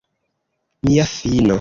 Mia fino!